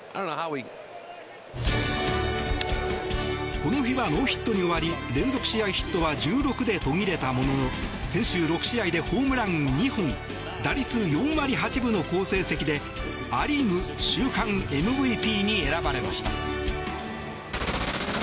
この日はノーヒットに終わり連続試合ヒットは１６で途切れたものの先週６試合で、ホームラン２本打率４割８分の好成績でア・リーグ週間ＭＶＰに選ばれました。